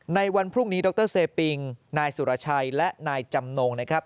ในวันพรุ่งนี้ดรเซปิงนายสุรชัยและนายจำนงนะครับ